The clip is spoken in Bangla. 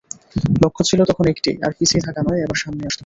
লক্ষ্য ছিল তখন একটিই—আর পিছিয়ে থাকা নয়, এবার সামনে আসতে হবে।